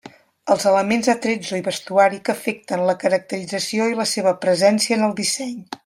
Els elements d'attrezzo i vestuari que afecten la caracterització i la seva presència en el disseny.